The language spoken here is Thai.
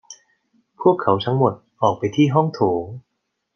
พวกเขาทั้งหมดออกไปที่ห้องโถง